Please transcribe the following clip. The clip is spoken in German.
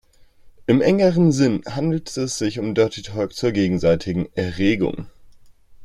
Im engeren Sinn handelt es sich um Dirty Talk zur gegenseitigen Erregung.